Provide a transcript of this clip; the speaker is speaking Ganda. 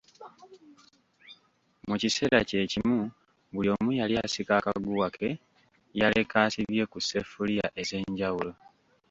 Mu kiseera kye kimu buli omu yali asika akaguwa ke yaleka asibye ku sseffuliya ez'enjawulo.